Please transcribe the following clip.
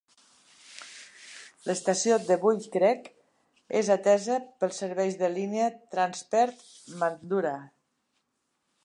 L'estació de Bull Creek és atesa pels serveis de línia Transperth Mandurah.